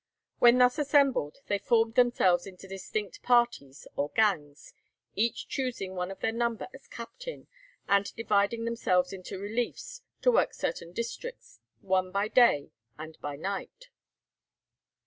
When thus assembled, they formed themselves into distinct parties or gangs, each choosing one of their number as captain, and dividing themselves into reliefs to work certain districts, one by day and by night.